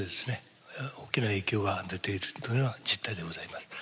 大きな影響が出ているというのは実態でございます。